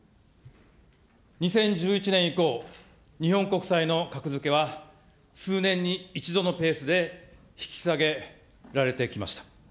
２０１１年以降、日本国債の格付けは、数年に１度のペースで引き下げられてきました。